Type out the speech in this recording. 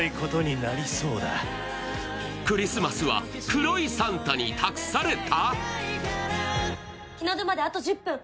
クリスマスは黒いサンタに託された？